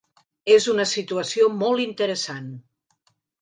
És una situació molt interessant.